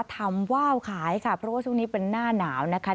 ว่าวขายค่ะเพราะว่าช่วงนี้เป็นหน้าหนาวนะคะ